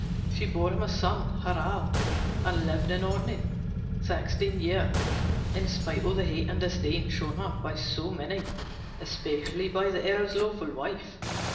She bore him a son, Harald, and lived at Orkney sixteen years in spite of the hate and disdain showed her by so many, especially by the Earl's lawful wife.